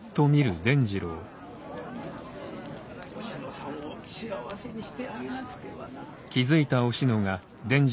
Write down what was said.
お志乃さんを幸せにしてあげなくてはな。